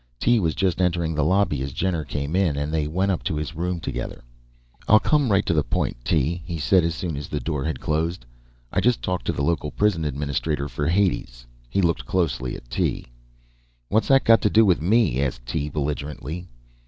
Tee was just entering the lobby as Jenner came in and they went up to his room together. "I'll come right to the point, Tee," he said, as soon as the door had closed. "I just talked to the local prison administrator for Hades." He looked closely at Tee. "What's that got to do with me?" asked Tee, belligerently.